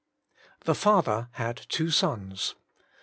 THE father had two sons.